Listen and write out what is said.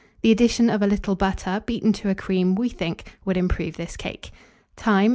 The addition of a little butter, beaten to a cream, we think, would improve this cake. Time.